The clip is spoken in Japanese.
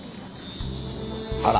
あら！